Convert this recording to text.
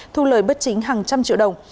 thu lời bất chính hàng trăm triệu đồng